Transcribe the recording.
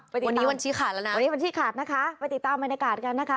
วันนี้วันชี้ขาดแล้วนะไปติดตามบรรยากาศกันนะคะ